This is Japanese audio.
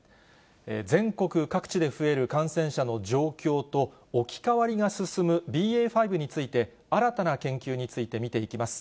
全国各地で増える感染者の状況と、置き換わりが進むＢＡ．５について、新たな研究について見ていきます。